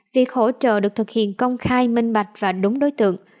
việc hỗ trợ được thực hiện công khai minh bạch và đúng đối tượng